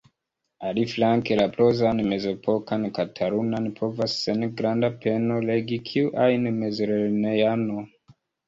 Aliflanke, la prozan mezepokan katalunan povas sen granda peno legi kiu ajn mezlernejano.